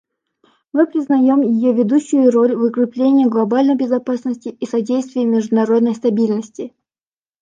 Мы признаем ее ведущую роль в укреплении глобальной безопасности и в содействии международной стабильности.